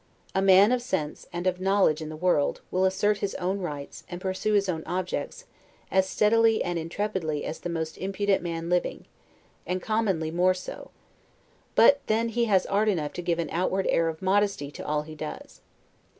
A man of sense, and of knowledge in the world, will assert his own rights, and pursue his own objects, as steadily and intrepidly as the most impudent man living, and commonly more so; but then he has art enough to give an outward air of modesty to all he does.